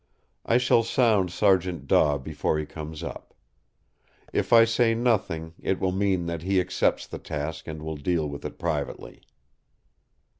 I shall sound Sergeant Daw before he comes up. If I say nothing, it will mean that he accepts the task and will deal with it privately."